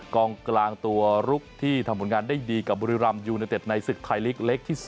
กองกลางตัวลุกที่ทำผลงานได้ดีกับบุรีรำยูเนเต็ดในศึกไทยลีกเล็กที่๒